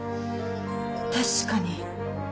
確かに。